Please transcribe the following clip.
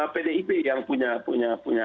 pdip yang punya